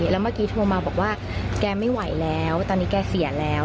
แล้วเมื่อกี้โทรมาบอกว่าแกไม่ไหวแล้วตอนนี้แกเสียแล้ว